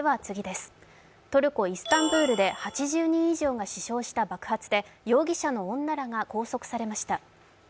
トルコ・イスタンブールで８０人以上が死傷した爆発で容疑者の女らが拘束されました。